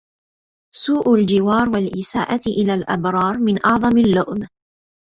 سوء الجوار والإساءة إلى الأبرار من أعظم اللّؤم.